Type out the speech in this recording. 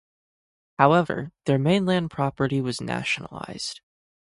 However, their mainland property was nationalized.